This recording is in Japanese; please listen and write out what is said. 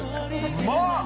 うまっ！